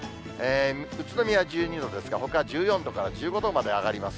宇都宮１２度ですが、ほかは１４度から１５度まで上がります。